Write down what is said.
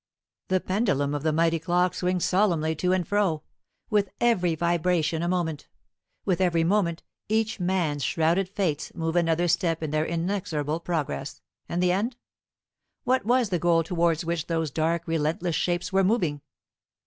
The pendulum of the mighty clock swings solemnly to and fro; with every vibration a moment; with every moment each man's shrouded fates move another step in their inexorable progress. And the end? What was the goal towards which those dark relentless shapes were moving?